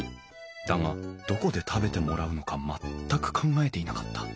だがどこで食べてもらうのか全く考えていなかった。